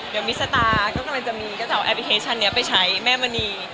เดี๋ยวมิสตาร์ก็จะเอาแอปพลิเคชันนี้ไปใช้แม่มณี